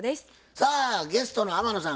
さあゲストの天野さん